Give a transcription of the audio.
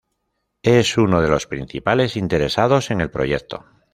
Es uno de los principales interesados en el proyecto.